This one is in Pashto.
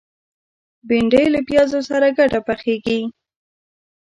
بېنډۍ له پیازو سره ګډه پخېږي